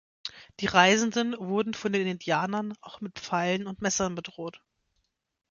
Die Reisenden wurden von den Indianern auch mit Pfeilen und Messern bedroht.